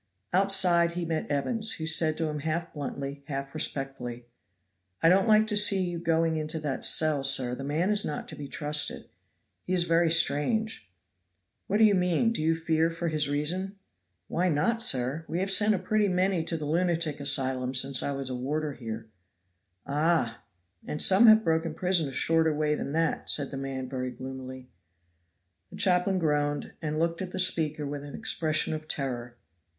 Outside he met Evans, who said to him half bluntly half respectfully, "I don't like to see you going into that cell, sir; the man is not to be trusted. He is very strange." "What do you mean? do you fear for his reason?" "Why not, sir? We have sent a pretty many to the lunatic asylum since I was a warder here." "Ah!" "And some have broke prison a shorter way than that," said the man very gloomily. The chaplain groaned and looked at the speaker with an expression of terror.